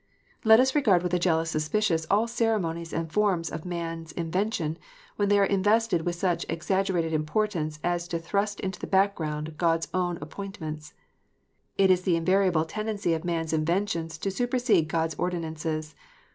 Let us regard with a jealous suspicion all ceremonies and forms of man s invention, when they are invested with such exaggerated importance as to thrust into the background God s own appointments. It is the in variable tendency of man s inventions to supersede God s ordinances.